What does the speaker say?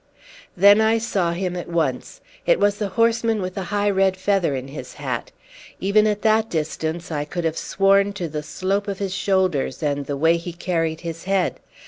Then I saw him at once. It was the horseman with the high red feather in his hat. Even at that distance I could have sworn to the slope of his shoulders and the way he carried his head.